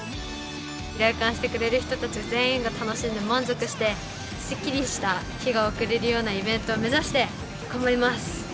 来館してくれる人たち全員が楽しんで満足してスッキリした日が送れるようなイベントを目指して頑張ります！